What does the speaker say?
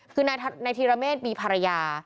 คือนายธีรเมฆมีภรรยา